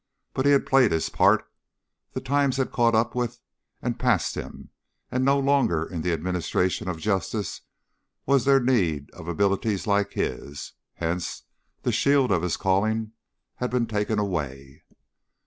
But he had played his part. The times had caught up with and passed him, and no longer in the administration of justice was there need of abilities like his, hence the shield of his calling had been taken away.